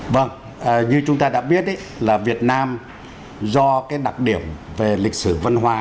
vâng như chúng ta đã biết là việt nam do cái đặc điểm về lịch sử văn hóa